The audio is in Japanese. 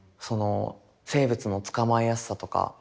生物の捕まえやすさとか。